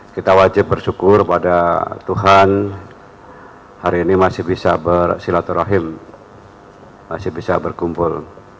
kita wajib bersyukur pada tuhan hari ini masih bisa bersilaturahim masih bisa berkumpul